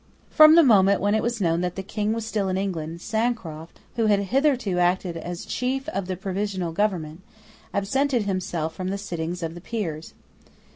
From the moment when it was known that the King was still in England, Sancroft, who had hitherto acted as chief of the provisional government, absented himself from the sittings of the Peers.